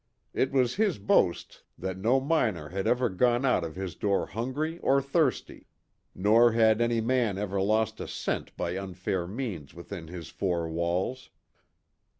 It was his boast that no miner had ever gone out of his door hungry or thirsty, nor had any man ever lost a cent by unfair means within his four walls.